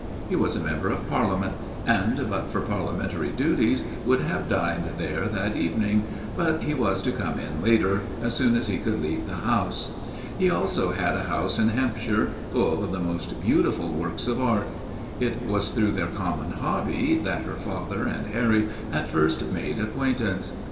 He was a member of Parliament, and but for Parliamentary duties would have dined there that evening; but he was to come in later, as soon as he could leave the House. He also had a house in Hampshire, full of the most beautiful works of art. It was through their common hobby that her father and Harry had first made acquaintance.